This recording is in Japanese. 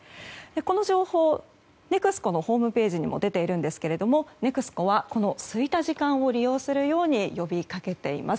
この情報ＮＥＸＣＯのホームページにも出ているんですけどもＮＥＸＣＯは空いた時間を利用するように呼びかけています。